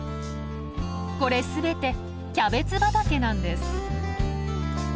これ全てキャベツ畑なんです。